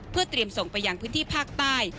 เพื่อเตรียมส่งไปยังพื้นที่ภาคใต้